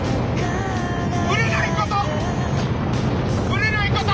ぶれないこと！